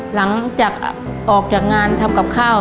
หลังจากออกจากงานทำกับข้าว